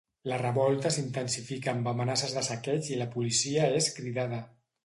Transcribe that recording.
La revolta s'intensifica amb amenaces de saqueig i la policia és cridada.